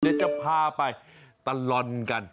เดี๋ยวจะพาไปตลอดกัน